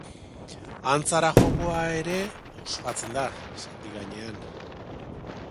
Antzara-jokoa ere ospatzen da, zaldi gainean.